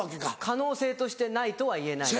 可能性としてないとは言えない。